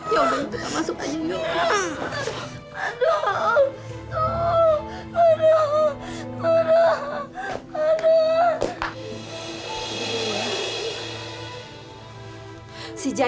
ya udah kita masuk aja